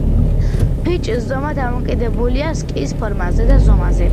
ფიჭის ზომა დამოკიდებულია სკის ფორმაზე და ზომაზე.